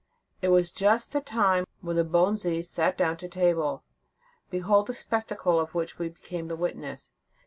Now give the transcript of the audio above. "It was just the time when the bonzes sat down to table. Behold the spectacle of which we became the witnesses.